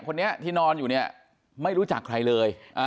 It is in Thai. คนนี้ที่นอนอยู่เนี่ยไม่รู้จักใครเลย